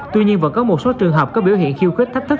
tuy nhiên vẫn có một số trường hợp có biểu hiện khiêu khích thách thức